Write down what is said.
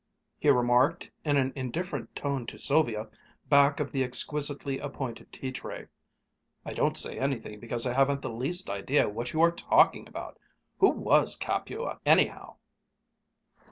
He remarked in an indifferent tone to Sylvia, back of the exquisitely appointed tea tray: "I don't say anything because I haven't the least idea what you are talking about. Who was Capua, anyhow?"